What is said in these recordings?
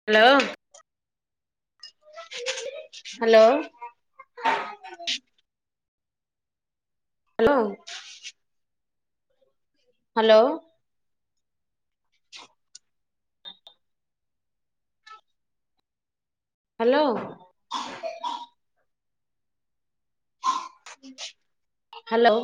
Hello. Hello. Hello. Hello. Hello. Hello.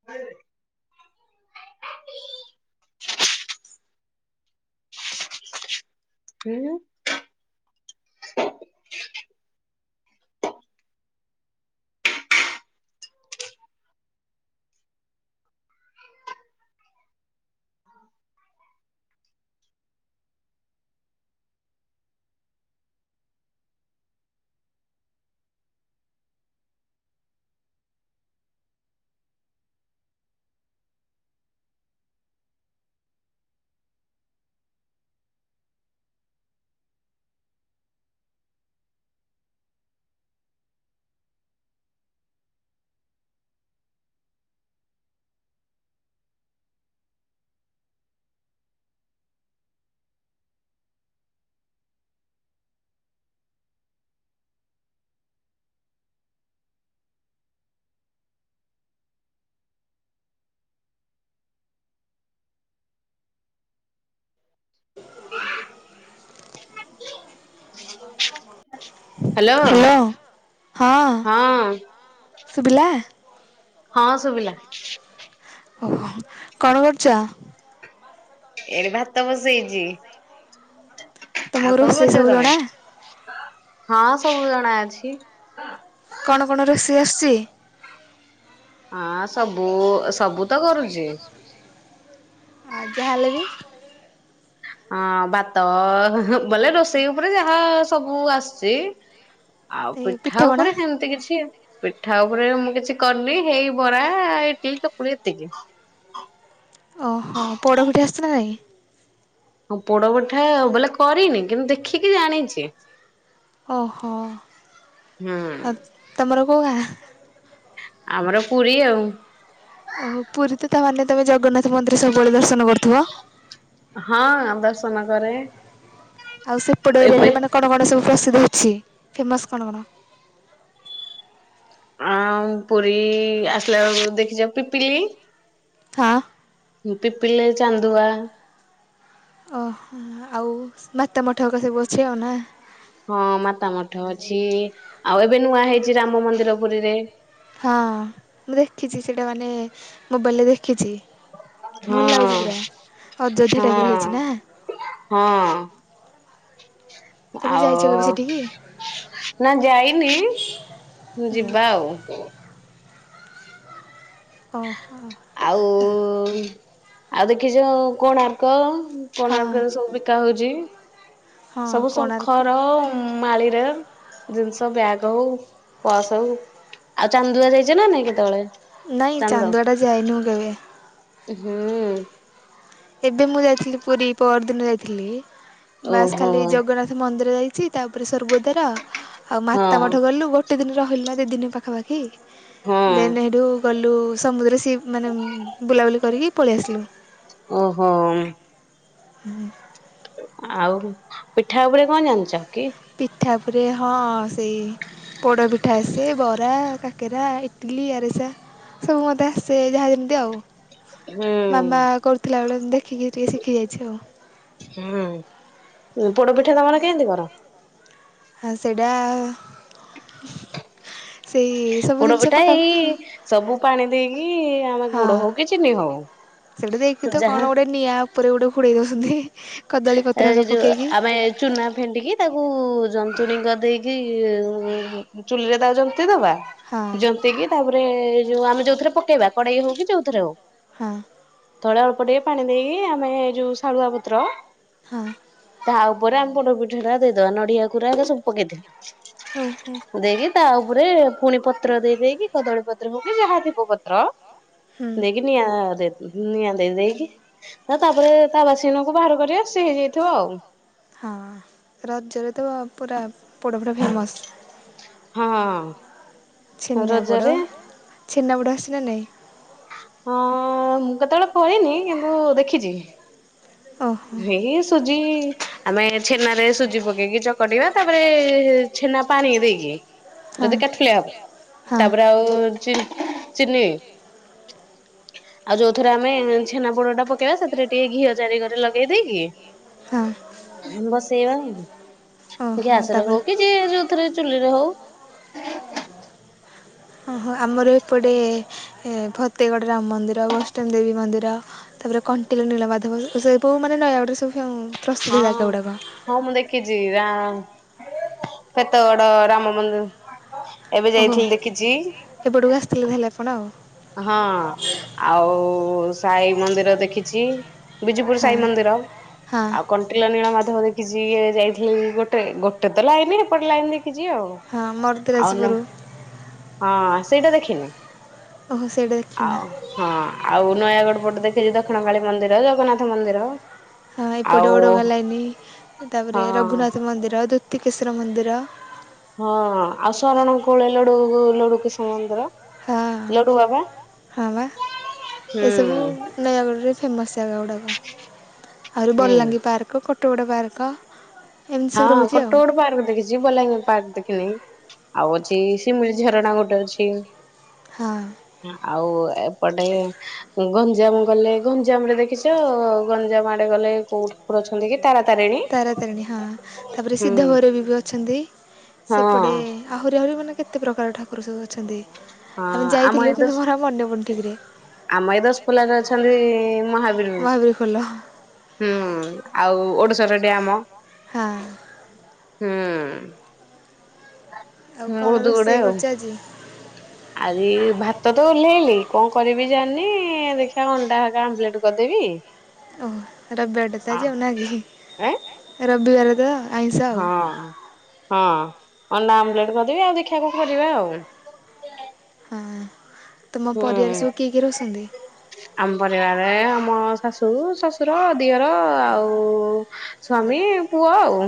[inaudible] ଉୁଁ। [inaudible] [inaudible] Hello ହଁ ଶୁଭିଲା? ହଁ ଶୁଭିଲା। ଓ ହୋ କଣ କରୁଛ? ଏଇଠି ଭାତ ବସେଇଛି ଆଉ କଣ କରୁଛ ତମେ? ହଁ ସବୁ ଜଣା ଅଛି। କଣ କଣ ରୋଷେଇ ଆସୁଛି? ହଁ ସବୁ ସବୁ ତ କରୁଛି। ଆ ଯାହା ହେଲେ ବି ହଁ ଭାତ ବୋଲେ ରୋଷେଇ ଉପରେ ଯାହା ସବୁ ଆସୁଛି ଆଉ ପିଠା ଉପରେ ସେମିତି କିଛି ପିଠା ଉପରେ ମୁଁ କିଛି କରିନି ହେଇ ବରା ଇଟିଲି ଚକୁଳି ଏତିକି। ଓ ହୋ ପୋଡ ପିଠା ଆସୁଛି ନାଁ ନାହିଁ? ହଁ ପୋଡ ପିଠା ବୋଲେ କରିନି କିନ୍ତୁ ଦେଖିକି ଜାଣିଛି। ଓ ହୋ ଆଉ ତମର କୋଉ ଗାଁ? ଆମର ପୁରୀ ଆଉ। ଓ ହୋ ପୁରୀ ତ ତାହେଲେ ତମେ ଜଗନ୍ନାଥ ମନ୍ଦିର ସବୁବେଳେ ଦର୍ଶନ କରୁଥିବ? ହଁ ଦର୍ଶନ କରେ। ଆଉ ସେପଟେ ଏରିଆରେ ମାନେ କଣ କଣ ସବୁ ପ୍ରସିଦ୍ଧ ଅଛି ଫେମସ୍ କଣ କଣ? ଆଁ ପୁରୀ ଆସିଲା ବେଳକୁ ଦେଖିଛ ପିପିଲି? ହଁ। ଉଁ ପିପିଲି ରେ ଚାନ୍ଦୁଆ। ଓ ହୋ ଆଉ ମାତା ମଠ ହେକା ସବୁ ଅଛି ଆଉ ନାଁ? ହଁ ମାତା ମଠ ଅଛି ଆଉ ଏବେ ନୂଆ ହେଇଛି ରାମ ମନ୍ଦିର ପୁରୀରେ। ହଁ ମୁଁ ଦେଖିଛି ସେଇଟା ମାନେ ମୋବାଇଲ୍ ରେ ଦେ ଖିଛି ଭଲ ଲାଗୁଛି ପୁରା ଅଯୋଧ୍ୟା ଟାଇପ୍ ର ହେଇଛି ନାଁ? ହଁ ଆଉ ନା ଯାଇନି ଯିବା ଆଉ। ଓ ହୋ। ଆଉ ଆଉ ଦେଖିଛ ଯୋଉ କୋଣାର୍କ କୋଣାର୍କରେ ସବୁ ବି କା ହଉଛି ସବୁ ଶଙ୍ଖର ଆଉ ମାଳିରେ ଜିନିଷ ବ୍ୟାଗ୍ ହଉ ପର୍ସ ହଉ। ଆଉ ଚାନ୍ଦୁଆ ଯାଇଛ ନା ନାଇଁ କେତେବେଳେ? ନାଇଁ ଚାନ୍ଦୁଆ ଟା ଯାଇନି ମୁଁ କେବେ। ହୁଁ। ଏବେ ମୁଁ ଯାଇଥିଲି ପୁରୀ ପର ଦିନ ଯାଇଥିଲି ବାସ୍ ଖାଲି ଜଗନ୍ନା ନ୍ନାଥ ମନ୍ଦିର ଯାଇଛି ତାପରେ ସ୍ୱର୍ଗଦ୍ୱାର ଆଉ ମାତା ମଠ ଗଲୁ ଗୋ ଗୋଟେ ଦିନ ରହିଲା ଦି ଦିନି ପାଖାପାଖି ଦେନ୍ ସେଇଠୁ ଗଲୁ ସମୁଦ୍ର ସେ ନ୍ତି ମାନେ ବୁଲାବୁଲି କରିକି ପଳେଇ ଆସିଲୁ। ଓହୋ ମ୍। [inaudible] ଆଉ ପିଠା ଉପରେ କଣ ଜାଣିଛ କି? ପିଠା ଉପରେ ହଁ ସେଇ ପୋଡ଼ ପିଠା ଆସେ, ବରା, କାକେରା, ଇଟଲି ଆରିସା। ସବୁ ମତେ ଆସେ ଯାହା ଯେମିତି ଆଉ। ମାମା କରୁଥିଲା ବେଳେ ଦେଖିକି ଟିକେ ଶିଖି ଯାଇଛି ଆଉ। ହୁଁ, ପୋଡପିଠା ତମର କେମିତି କର? ହ ସେଇଟା ସେଇ ସବୁ ଜିନିଷ ପକା ସବୁ ପାଣି ଦେଇକି ଆମେ ଗୁଡ ହଉ କି ଚିନି ହଉ ଯାହା ନିଆ ଆଉ ଉପରେ ଗୋଟେ ଖୋଡେଇ ଦଉଛନ୍ତି। ଏଇ ଯୋଉ ଆମେ ଚୁନା ଫେଣ୍ଟିକି ତାକୁ ଯନ୍ତୁଣୀ କରି ଦେଇକି ଚୁଲିରେ ତାକୁ ଜନ୍ତି ଦବା। ଯନ୍ତିକି ତାପରେ ଯୋଉ ଆମେ ଯୋଉଥିରେ ପକେଇବା କଡେଇ ହଉ କି ଯୋଉଥିରେ ହଉ। ହଁ। ତଳେ ଅଳ୍ପ ଟିକେ ପାଣି ଦେଇକି ଆମେ ଏ ଯୋଉ ଶାଳୁଆ ପତ୍ର। ହଁ। ତା ଉପରେ ଆମେ ପୋଡ ପିଠା ଟା ଦେଇଦବା ନଡିଆ କୁରା ଏ ସବୁ ପକେଇଥିବା। ଦେଇକି ତା ଉପରେ ପୁଣି ପତ୍ର ଦେଇ ଦେଇକି କଦଳୀ ପତ୍ର ହଉ କି ଯାହା ଥିବ ପତ୍ର ଦେଇକି ନିଆଁ ଦେଇ ନିଆଁ ଦେଇ ଦେଇକି ତାପରେ ତା ବାସିନକୁ ବାହାର କରିବା। ସେ ହେଇଯାଇଥିବ ଆଉ। ହଁ ରଜରେ ତ ପୁରା ପୋଡ଼ପିଠା ଫେମସ୍। ହଁ। ଛେନା ପୋଡ଼, ଛେନା ପୋଡ଼ ଆସିଛି ନା ନାଇଁ? ହଁ ମୁଁ କେତେବେଳେ କରିନି କିନ୍ତୁ ଦେଖିଛି। ହେଇ ସୁଜି ଆମେ ଛେନାରେ ସୁଜି ପକେଇକି ଚକଟିବା ତାପରେ ହେ ଛେନା ପାଣି ଦେଇକି ଯଦି କାଠୁଳିଆ ହବ। ତାପରେ ଆଉ ଚି, ଚିିନି। ଆଉ ଯୋଉଥିରେ ଆମେ ଛେନା ପୋଡ଼ ଟା ପକେଇବା ସେଥିରେ ଟିକେ ଘିଅ ଚାରିକ ପକେଇ ଦେଇକି ବସେଇବା ଆଉ, ଗ୍ୟାସରେ ହଉ କି କି ଯୋଉଥିରେ ଚୁଲି ରେ ହଉ। ହଁ ହୋ ଆମର ଏପଟେ ଫତେଗଡ଼ ରାମ ମନ୍ଦିର ବୈଷ୍ଣବି ଦେବୀ ମନ୍ଦିର। ତାପରେ କଣ୍ଟିଳ ନୀଳମାଧବ ସେପଉ ମାନେ ନୟାଗଡରେ ସବୁ ଫେ ହଁ। ହଁ ମୁଁ ଦେଖିଛି ରା ଫେତଗଡ ରାମ ମନ୍ଦିର। ଏବେ ଯାଇଥିଲି ଦେଖିଚି। ଏପଟକୁ ଆସିଥିଲେ ତାହେଲେ ଆପଣ ଆଉ। ହଁ ଆଉ ସାଇ ମନ୍ଦିର ଦେଖିଛି। ବିଜୁପୁର ସାଇ ମନ୍ଦିର, ଆଉ କଣ୍ଟିଲ ନୀଳ ମାଧବ ଦେଖିଚି ଇଏ ଯାଇଥିଲେ କି ଗୋଟେ ଗୋଟେ ତ ଲାଇନ ହେପଟେ ଲାଇନ ଦେଖିଚି ଆଉ। ହଁ ମର୍ଦରାଜପୁର। ହଁ ସେଇଟା ଦେଖିନି। ଓହୋ ସେଇଟା ଆଉ ହଁ ଆଉ ନୟାଗଡ ପଟେ ଦେଖିଛି ଦକ୍ଷିଣକାଳୀ ମନ୍ଦିର, ଜଗନ୍ନାଥ ମନ୍ଦିର। ହଁ ଏପଟେ ଓଡ଼ଗା ଲାଇନ, ତାପରେ ରଘୁନାଥ ମନ୍ଦିର, ଦୁତିକେଶର ମନ୍ଦିର। ହଁ ଆଉ ଶରଣ କୁଳେ ଲଡୁ ଲଡୁକିଷ ମନ୍ଦିର। ଲଡୁବାବା ହୁଁ। ନୟାଗଡ଼ରେ ଫେମସ୍ ଜାଗାଗୁଡ଼ାକ, ଆହୁରି ବଲାଙ୍ଗୀ ପାର୍କ, କ କୋଟଗଡ଼ପାର୍କ। ହଁ କ କୋଟଗଡ ପାର୍କ ଦେଖି ଚି ଯିବଲାଙ୍ଗ ପାର୍କ ଦେଖିନେଇ ଆଉ ହଉଚି ଶିମିଳି ଝରଣା ଗୋଟେ ଅଛି। ହଁ ଆଉ ଏପଟେ ଗଞ୍ଜାମ ଗଲେ ଗଞ୍ଜାମ ରେ ଦେଖିଛ ଗଞ୍ଜାମ ଆଡେ ଗଲେ କୋଉଠି ପର ଅଛନ୍ତି କି ତାରା ତାରିଣୀ। ତାରିଣୀ ହଁ ତାପରେ ସିଦ୍ଧ ଭୈରବୀ ବି ଅଛନ୍ତି ସେପଟେ ଆହୁରି ଆହୁରି ମାନେ କେତେ ପ୍ରକାର ଠାକୁର ସବୁ ଅଛନ୍ତି। ଆମେ ଯାଇଥିଲୁ କିନ୍ତୁ ମୋରା ମନ୍ୟେପ ଠିକ ରେ ଆମ ଏ ଦଶପୋଲ ରେ ଅଛନ୍ତି ମହାବୀର। ମହାବୀର ପୋଲ ହୁଁ ଆଉ ଓଡଶର ଡ୍ୟାମ ହଁ ହୁଁ ଆଉ କଣ ରୋଷେଇ କରୁଛ ଆଜି? ଆରି ଭାତ ତ ଓହ୍ଲେଇଲି କଣ କରିବି ଜାଣିନି ଦେଖିବା ଅଣ୍ଟା କମ୍ପ୍ଲେଟ କରିଦେବି। ଓହ ରବିବାର ଟା ତ ଆଜି ନାକି ରବିବାର ତ। ହଁ ହଁ ଅଣ୍ଡା ଆମଲେଟ କରିଦେବି ଆଉ ଦେଖିବାକୁ କରିବା ଆଉ। ହଁ ତ ମୋ ପରିବାର ସବୁ କିଏ କିଏ ରହୁଛନ୍ତି? ଆମ ପରିବାରରେ ଆମ ଶାଶୁ ଶଶୁର ଦିଅର ଆଉ। ସ୍ୱାମୀ ପୁଅ ଆଉ।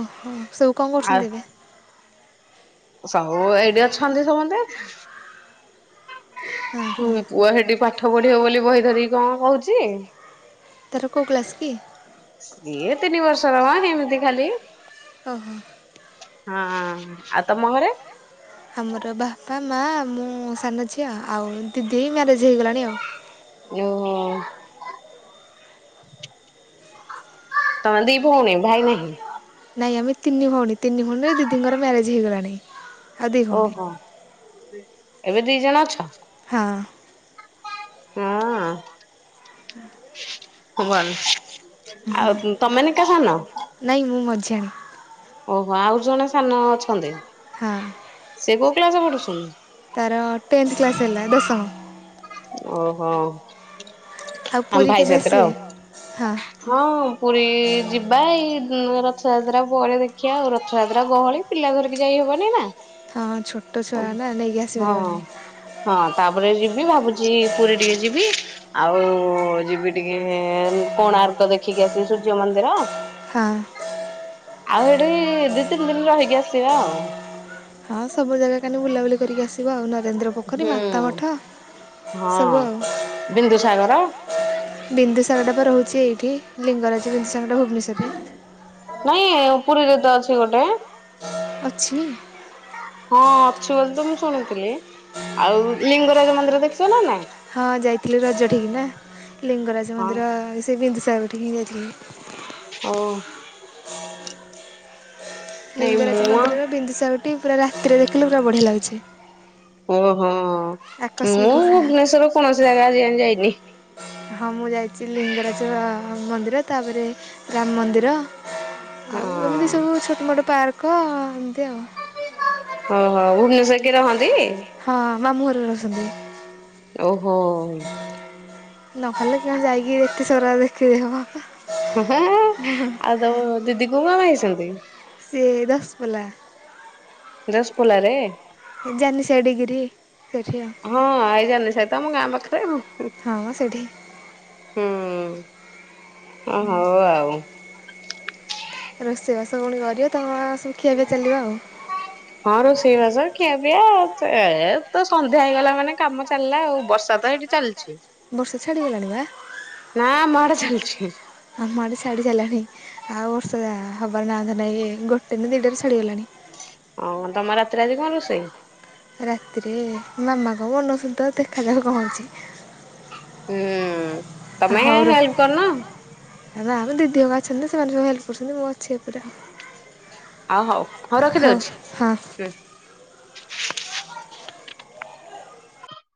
ଓହୋ ସବୁ କଣ କରୁଛନ୍ତି ଏବେ? ସବୁ ଏଇଠି ଅଛନ୍ତି ସମସ୍ତେ। ହୁଁ ପୁଅ ସେଠି ପାଠ ପଢିବ ବୋଲି ବହି ଧରିକି କଣ କହୁଛି? ତାର କେଉଁ କ୍ଲାସ କି? ଏଇ ତିନି ବର୍ଷର ହେମିତି ଖାଲି। ଓହୋ ହଁ ଆଉ ତମ ଘରେ। ଆମର ବାପା ମା ମୁଁ ସାନ ଝିଅ ଆଉ ଦିଦି ହି ମ୍ୟାରେଜ ହେଇଗଲାଣି ଆଉ। ଯୋଉ ତମେ ଦି ଭଉଣୀ ଭାଇ ନାହିଁ। ନାଇଁ ଆମ ତିନି ଭଣ ତିନି ଭଉଣୀ ଦିଦିଙ୍କର ମ୍ୟାରେଜ ହେଇଗଲାଣି। ଓହୋ ଏବେ ଦି ଜଣ ଅଛ। ହଁ ହଁ ହୁଁ ହ ଭଲ ଆଉ ତମେ କାହାନ ନାଇଁ ମୁଁ ମଝିଆଣି ଓହୋ ଆଉ ଜଣେ ସାନ ଅଛନ୍ତି? ହଁ। ସେ କୋଉ କ୍ଲାସରେ ପଢୁଚନ୍ତି? ତାର ଟେନ୍ଥ କ୍ଲାସ୍ ହେଲା ଦଶମ। ଓହୋ ଆମ ଭାଇ ସାଥିରେ ଆଉ। ହଁ ପୁରୀ ଯିବା ଏଇ ଅ ରଥଯାତ୍ରା ପହଳି ଦେଖିବା ଆଉ ରଥଯାତ୍ରା ଗହଳି। ପିଲା ଧରିକି ଯାଇହବନି ମା? ହଁ ଛୋଟ ଛୁଆ ନା ନେଇକି ଆସିପାରିବେନି। ହଁ ତାପରେ ଯିବି ଭାବୁଚି ପୁରୀ ଟିକେ ଯିବି। ଆଉ ଯିବି ଟିକେ କୋଣାର୍କ ଦେଖିକି ଆସିବି ସୂର୍ଯ୍ୟ ମନ୍ଦିର। ହଁ। ଆଉ ଏଠି ଦି ତିନି ଦିନ ରହିକି ଆସିବା ଆଉ। ହଁ ସବୁ ଜାଗା କାଲେ ବୁଲା ବୁଲି କରିକି ଆସିବ ଆଉ ନରେନ୍ଦ୍ର ପୋଖରୀ ମାତାମଠ ସବୁ ଆଉ। ବିନ୍ଦୁସାଗରଟା ପା ରହୁଚି ଏଇଠି ଲିଙ୍ଗରାଜ ବିନ୍ଦୁସାଗରଟା ଭୁବନେଶ୍ୱରରେ। ନାଇଁ ପୁରୀରେ ତ ଅଛି ଗୋଟେ। ଅଛି? ହଁ ଅଛି ବୋଲି ତ ମୁଁ ଶୁଣୁଥିଲି। ଆଉ ଲିଙ୍ଗରାଜ ମନ୍ଦିର ଦେଖିଚ ନା ନାଇଁ? ହଁ ଯାଇଥିଲି ରଜ ଠିକି ନା। ଲିଙ୍ଗରାଜ ମନ୍ଦିର ସେ ବିନ୍ଦୁସାଗର ଠିକି ହିଁ ଯାଇଥିଲି। ଓ ଲିଙ୍ଗରାଜ ମନ୍ଦିରର ବିନ୍ଦୁ ସାଗରଠି ପୁରା ରାତିରେ ଦେଖିଲେ ପୁରା ବଢିଆ ଲାଗୁଚି। ଓହୋ ମୁଁ ଭୁବନେଶ୍ୱର ର କୌଣସି ଜାଗା ଆଜି ଜାଏଂ ଯାଇନି। ହଁ ମୁଁ ଯାଇଚି ଲିଙ୍ଗରାଜ ମନ୍ଦିର। ତାପରେ ରାମ ମନ୍ଦିର। ଆଉ ଏମିତି ସବୁ ଛୋଟ ମୋଟ ପାର୍କ ଏମିତି ଆଉ। ଓ ହୋ। ଭୁବନେଶ୍ଵର ରେ କିଏ ରହନ୍ତି କି? ହଁ ମାମୁଁଘର ରହୁଚନ୍ତି। ଓହୋ। ନ କଲେ ସେମି ଯାଇକି ଏତେ ସରା ଦେଖିବି ହବ? ହୁଁ ହୁଁ। ଆଉ ତମ ଦିଦି କୋଉ ଗାଁ ବାହା ହେଇଚନ୍ତି? ସିଏ ଦଶପଲ୍ଲା। ଦଶପଲ୍ଲା ରେ? ଜାନି ସେଡିଗିରି ସେଠି ଆଉ। ହଁ ଆଇ ଜାନି ସାଇତ ଆମ ଗାଁ ପାଖରେ ଆଉ। ହଁ ସେଠି। ହୁଁ ଅଁ ହଉ ଆଉ। ରୋଷେଇବାସ ପୁଣି କରିବ ତମ ସ ଖିଆ ପିଆ ଚାଲିବ ଆଉ। ହଁ ରୋଷେଇବାସ ଖିଆ ପିଇଆ ଏ ତ ସନ୍ଧ୍ୟା ହେଇଗଲା ମାନେ କାମ ଚାଲିଲା ଆଉ। ବର୍ଷା ତ ଏଠି ଚାଲିଚି। ନା ଆମ ଆଡେ ଚାଲିଚି। ଆମ ଆଡେ ଛାଡି ସାଇଲାଣି। ଆଉ ବର୍ଷା ହବାର ନା ଧର୍ ନାଏ। ଏ ଗୋଟେ ନା ଦିଟରେ ଛାଡି ଗଲାଣି। ଅଁ ତମର ରାତିରେ ଆଜି କଣ ରୋଷେଇ? ରାତିରେ ମାମା କଣ ବନଉଚନ୍ତି ତ ଦେଖାଯାଉ କଣ ହଉଚି। ହଁ ହଉ ର ନାମ ଦିଦି ହେ କା ଅଛନ୍ତି ସେମାନେ ସବୁ ହେଲ୍ପ କରୁଚନ୍ତି। ମୁଁ ଅଛି ଉପରେ ଆଉ। ହଁ ହଉ ହଉ ରଖିଦଉଚି। ହଁ।